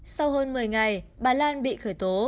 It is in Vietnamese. sau hơn một mươi ngày bà lan bị khởi tố